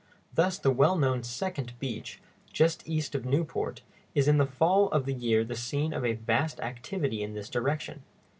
Thus the well known Second Beach, just east of Newport, is in the fall of the year the scene of a vast activity in this direction.